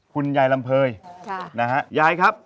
คุณยายลำเภยนะฮะยายครับ